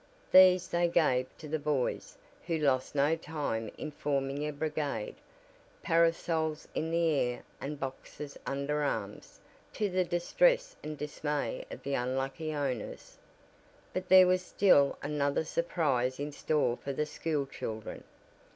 These they gave to the boys, who lost no time in forming a brigade, parasols in the air and boxes under arms, to the distress and dismay of the unlucky owners. But there was still another surprise in store for the school children.